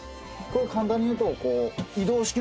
これ簡単にいうとおぉ！